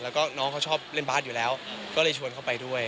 แล้วก็น้องเขาชอบเล่นบาสอยู่แล้วก็เลยชวนเขาไปด้วย